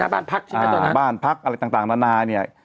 บ้านพักอะไรต่างนานาเนี่ย